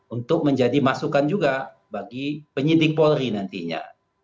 untuk menjadi masukan juga bagi penyidik polri nantinya